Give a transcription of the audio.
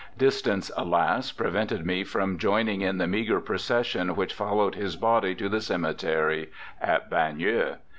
Distance, alas! prevented me from joining in the meagre procession which followed his body to the cemetery at Bagneux.